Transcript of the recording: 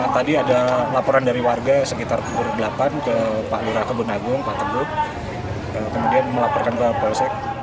tadi ada laporan dari warga sekitar kegurut belapan ke pak lura kebun agung pak tegut kemudian melaporkan ke polsek